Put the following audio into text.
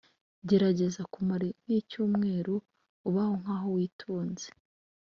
gerageza kumara nk icyumweru ubaho nk aho witunze